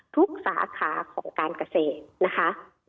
สาขาของการเกษตรนะคะ